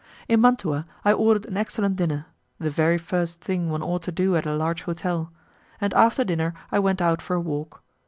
In Mantua I ordered an excellent dinner, the very first thing one ought to do at a large hotel, and after dinner I went out for a walk.